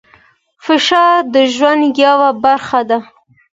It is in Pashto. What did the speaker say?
فشار د ژوند یوه برخه ده.